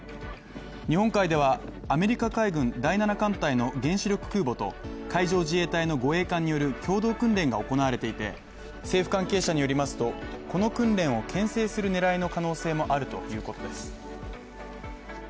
日本海ではアメリカ海軍第７艦隊の原子力空母と海上自衛隊の護衛艦による共同訓練が行われていて、政府関係者によりますとこの訓練を牽制する狙いの可能性もあるということです。